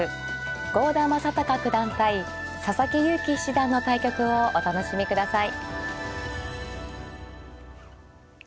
郷田真隆九段対佐々木勇気七段の対局をお楽しみください。